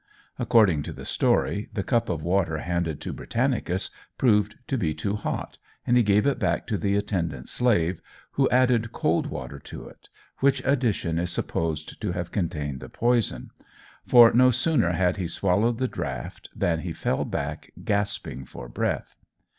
According to the story, the cup of water handed to Britannicus proved to be too hot, and he gave it back to the attendant slave, who added cold water to it, which addition is supposed to have contained the poison; for no sooner had he swallowed the draught than he fell back gasping for breath.